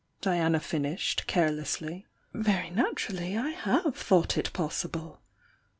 Diana finished, care J^ly. Very naturally I have thought it oo^We!